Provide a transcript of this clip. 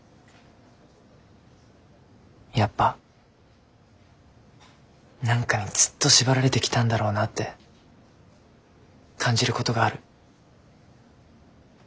やっぱ何かにずっと縛られてきたんだろうなって感じるごどがある。